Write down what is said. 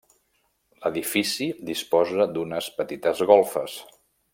L'edifici disposa d'unes petites golfes.